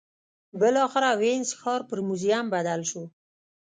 بالاخره وینز ښار پر موزیم بدل شو